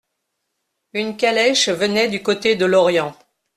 Une calèche venait du côté de Lorient.